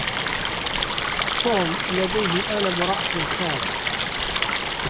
توم لديه الم رأس حاد.